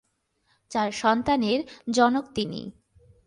চার সন্তানের জনক তিনি।